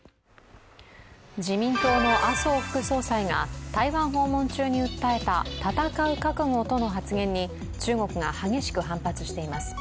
自民党の麻生副総裁が台湾訪問中に訴えた戦う覚悟との発言に、中国が激しく反発しています。